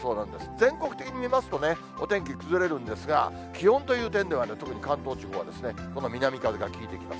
全国的に見ますとね、お天気崩れるんですが、気温という点ではね、特に関東地方はですね、この南風がきいてきます。